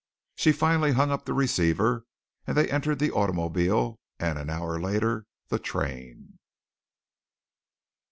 She finally hung up the receiver and they entered the automobile and an hour later the train.